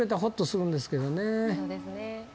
そうですね